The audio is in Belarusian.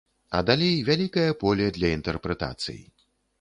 А далей вялікае поле для інтэрпрэтацый.